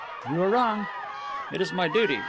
"You are wrong." "It is my duty.